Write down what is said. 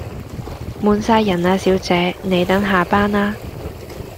滿曬人喇小姐，你等下班啦